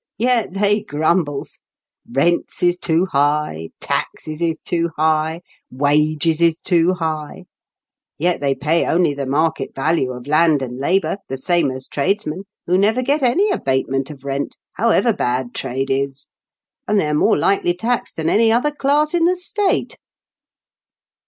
Yet they grumbles 1 Eents is too high, taxes is too high, wages is too high ; yet they pay only the market value of land and labour, the same as tradesmen, who never get any abate ment of rent, however bad trade is, and they are more lightly taxed than any other class in the state."